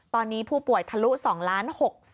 ตอนนี้ผู้ป่วยทะลุ๒๖๓๗๔๔๑ราย